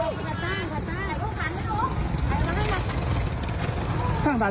นี่สากะท่ะ๔บ้าง